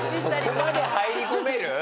そこまで入り込める？